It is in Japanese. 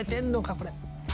これ。